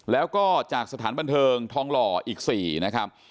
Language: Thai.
แล้วก็จากสถานบันเทิงทองหล่ออีก๔นะครับ